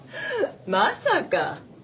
まさか。